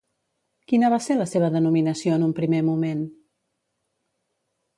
Quina va ser la seva denominació en un primer moment?